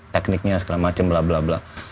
tekniknya segala macam bla bla bla